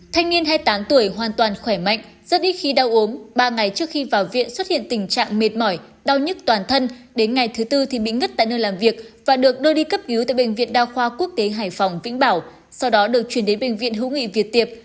thanh niên hai mươi tám tuổi hoàn toàn khỏe mạnh rất ít khi đau ốm ba ngày trước khi vào viện xuất hiện tình trạng mệt mỏi đau nhức toàn thân đến ngày thứ tư thì bị ngất tại nơi làm việc và được đưa đi cấp cứu tại bệnh viện đa khoa quốc tế hải phòng vĩnh bảo sau đó được chuyển đến bệnh viện hữu nghị việt tiệp